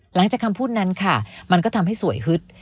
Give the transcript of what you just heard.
หลังจากคำพูดนั้นค่ะมันก็ทำให้สวยฮึด